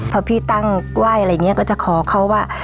พอพี่ตั้งไหว้อะไรอย่างนี้ก็จะขอเขาว่า